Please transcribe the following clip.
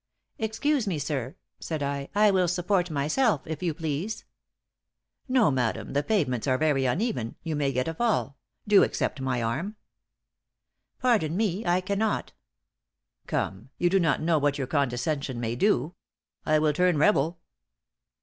"'Excuse me, sir,' said I; 'I will support myself, if you please.' "'No, madam, the pavements are very uneven; you may get a fall; do accept my arm.' "'Pardon me, I cannot." "'Come, you do not know what your condescension may do. I will turn rebel!'